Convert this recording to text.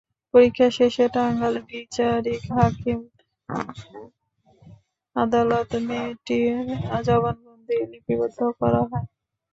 পরীক্ষা শেষে টাঙ্গাইল বিচারিক হাকিম আদালতে মেয়েটির জবানবন্দি লিপিবদ্ধ করা হয়।